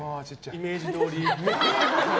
イメージどおり。